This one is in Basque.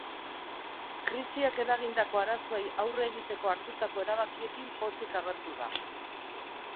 Krisiak eragindako arazoei aurre egiteko hartutako erabakiekin pozik agertu da.